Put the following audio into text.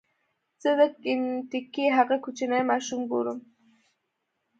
زه د کینټکي هغه کوچنی ماشوم ګورم.